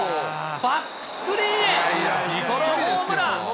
バックスクリーンへ、ソロホームラン。